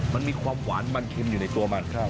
มันมีความหวานมันเค็มอยู่ในตัวมัน